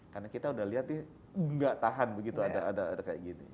karena kita udah lihat nih enggak tahan begitu ada kayak gini